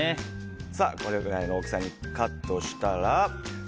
これくらいの大きさにカットしたら。